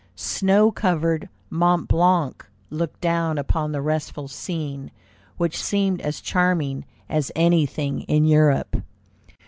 Snow covered Mont Blanc looked down upon the restful scene, which seemed as charming as anything in Europe.